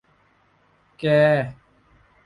แก